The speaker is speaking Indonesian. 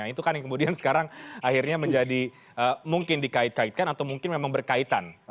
itu kan yang kemudian sekarang akhirnya menjadi mungkin dikait kaitkan atau mungkin memang berkaitan